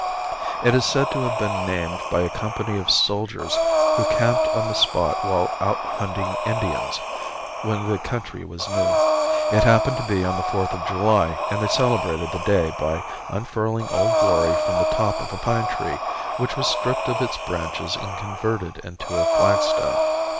It is said to have been named by a company of soldiers who camped on the spot while out hunting Indians, when the country was new. It happened to be on the Fourth of July and they celebrated the day by unfurling Old Glory from the top of a pine tree, which was stripped of its branches and converted into a flagstaff.